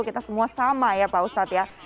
kita semua sama ya pak ustadz ya